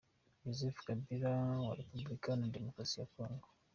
-Joseph Kabila wa Repubulika iharanira Demokarasi ya Congo